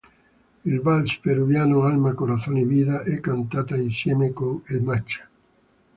Il vals peruviano "Alma corazón y vida" è cantata insieme con El Macha.